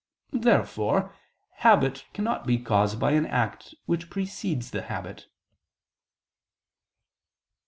Therefore habit cannot be caused by an act which precedes the habit.